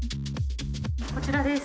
こちらです。